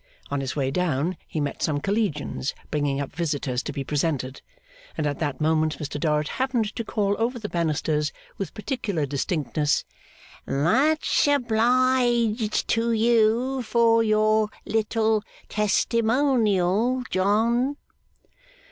On his way down he met some Collegians bringing up visitors to be presented, and at that moment Mr Dorrit happened to call over the banisters with particular distinctness, 'Much obliged to you for your little testimonial, John!